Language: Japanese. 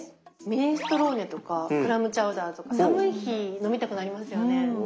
ミネストローネとかクラムチャウダーとか寒い日に飲みたくなりますよね。